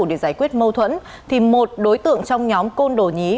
để giải quyết mâu thuẫn thì một đối tượng trong nhóm côn đồ nhí